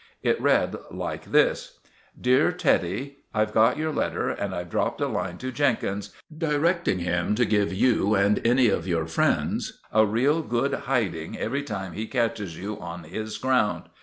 It read like this— "DEAR TEDDY, "I've got your letter, and I've dropped a line to Jenkins, directing him to give you and any of your friends a real good hiding every time he catches you on his ground.